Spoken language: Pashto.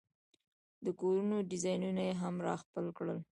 د کورونو ډیزاین یې هم را خپل کړل.